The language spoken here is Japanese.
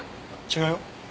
違うよ。